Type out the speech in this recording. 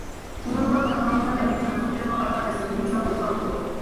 بۇنىڭغا قاراخانىيلار دەۋرىگە مەنسۇپ بىر قاپارتما رەسىمنى مىسال قىلىشقا بولىدۇ.